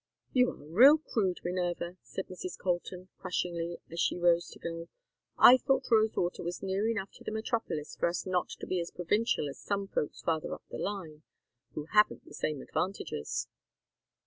"You are real crude, Minerva," said Mrs. Colton, crushingly, as she rose to go. "I thought Rosewater was near enough to the metropolis for us not to be as provincial as some folks farther up the line, who haven't the same advantages."